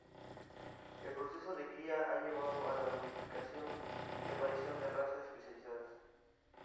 El proceso de cría ha llevado a la domesticación y aparición de razas especializadas.